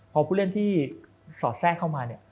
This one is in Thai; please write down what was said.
พอผู้เล่นที่สอดแทรกเข้ามาเนี่ย